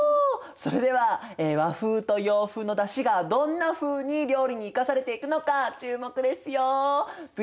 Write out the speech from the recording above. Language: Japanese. それでは和風と洋風のだしがどんなふうに料理に生かされていくのか注目ですよ。